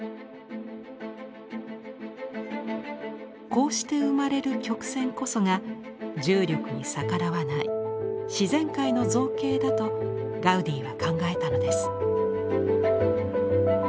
こうして生まれる曲線こそが重力に逆らわない自然界の造形だとガウディは考えたのです。